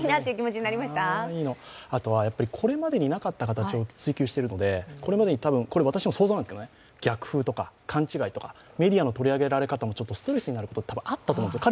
あとは、これまでになかった形を追求してるのでこれまでに多分、私の想像なんですけど、逆風とか、勘違いとかメディアの取り上げられ方もたぶんストレスになることも多分あったと思うんですよ。